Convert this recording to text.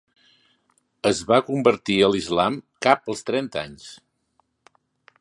Es va convertir a l'islam cap als trenta anys.